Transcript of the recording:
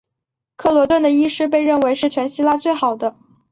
克罗顿的医师被认为是全希腊最好的。